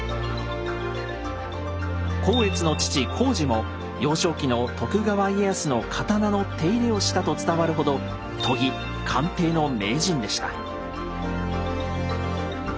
光悦の父光二も幼少期の徳川家康の刀の手入れをしたと伝わるほど研ぎ・鑑定の名人でした。